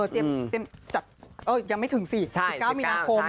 เตรียมจัดยังไม่ถึงสิ๑๙มีนาคม